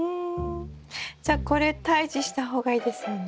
じゃあこれ退治した方がいいですよね？